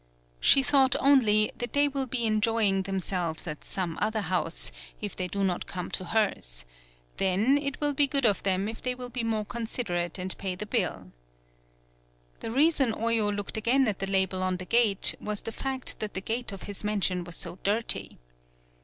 She thought only that they will be enjoying themselves at some other house, if they do not come to hers, then, it will be good of them if they will be more considerate and pay the bill. The reason Oyo looked again at the label on the gate was the fact that the gate of his mansion was so dirty.